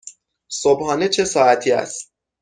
صبحانه چه ساعتی است؟